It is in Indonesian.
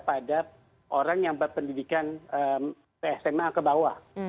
saya pikir itu adalah orang yang berpendidikan sma ke bawah